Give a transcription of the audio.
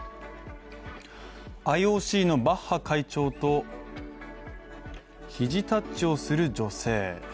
ＩＯＣのバッハ会長と、肱タッチをする女性。